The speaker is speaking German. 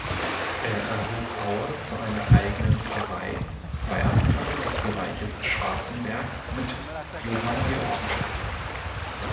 Er erhob Aue zu einer eigenen Pfarrei bei Abtrennung des Bereiches Schwarzenberg mit Johanngeorgenstadt.